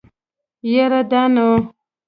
يره دا نو.